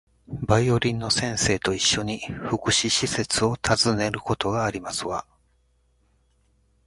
バイオリンの先生と一緒に、福祉施設を訪ねることがありますわ